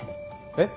えっ。